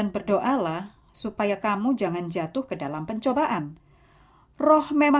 kepadamu tuhan oleh karena